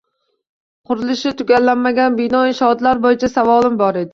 Qurilishi tugallanmagan bino inshootlar bo'yicha savolim bor edi.